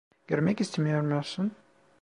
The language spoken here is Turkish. Görmek istemiyor musun?